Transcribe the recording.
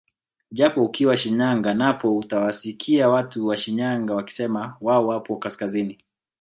Japo ukiwa Shinyanga napo utawasikia watu wa Shinyanga wakisema wao wapo kaskazini